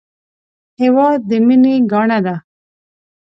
هېواد د مینې ګاڼه ده